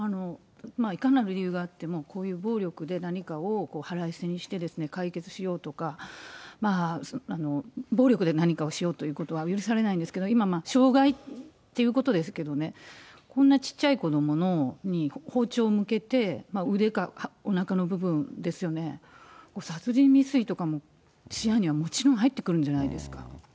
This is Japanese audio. いかなる理由があっても、こういう暴力で何かを、腹いせにして、解決しようとか、まあ、暴力で何かをしようということは許されないんですけれども、今、傷害っていうことですけどね、こんなちっちゃい子どもに包丁向けて、腕かおなかの部分ですよね、殺人未遂とかも視野にはもちろん入ってくるんじゃないですか。